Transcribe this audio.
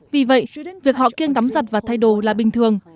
vì vậy việc họ kiêng giật và thay đồ là bình thường